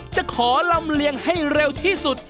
จะขอลำเลียงให้เร็วที่สุด